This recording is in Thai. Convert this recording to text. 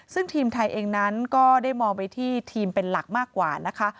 ซึ่งทีมไทยเองนั้นก็ได้มองไปที่ทีมเป็นหลักมากกว่านะคะ